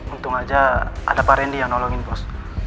untung aja ada pak randy yang nolongin pos